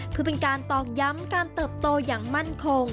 คือเป็นการตอกย้ำการเติบโตอย่างมั่นคง